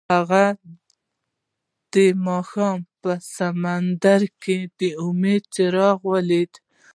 هغه د ماښام په سمندر کې د امید څراغ ولید.